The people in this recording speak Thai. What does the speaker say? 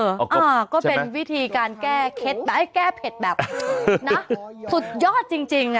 ใช่ไหมก็เป็นวิธีการแก้เพชรแบบสุดยอดจริง